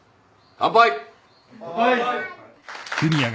乾杯。